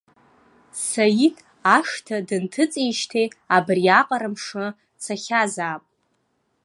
Саид ашҭа дынҭыҵижьҭеи абри аҟара мшы цахьазаап.